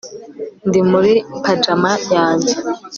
Ndi muri pajama yanjye